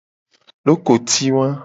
Lokoti wa.